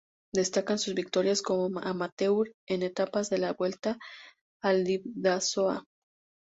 Destacan sus victorias como amateur en etapas de la Vuelta al Bidasoa.